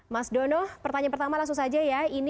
mas dono pertanyaan pertama langsung saja ya